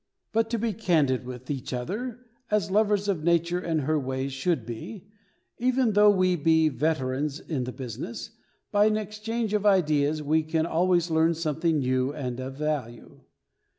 But to be candid with each other, as lovers of nature and her ways should be, even though we be veterans in the business, by an exchange of ideas we can always learn something new and of value.